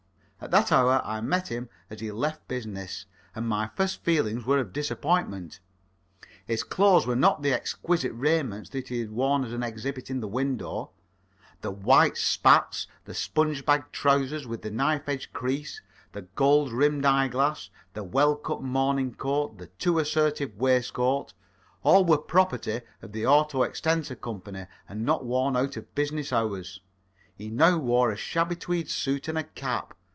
At that hour I met him as he left business, and my first feelings were of disappointment. His clothes were not the exquisite raiment that he had worn as an exhibit in the window. The white spats, the sponge bag trousers with the knife edge crease, the gold rimmed eye glass, the well cut morning coat, the too assertive waistcoat all were the property of the Auto extensor Co. and not to be worn out of business hours. He now wore a shabby tweed suit and a cap.